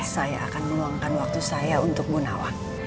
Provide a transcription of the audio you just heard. saya akan meluangkan waktu saya untuk bu nawang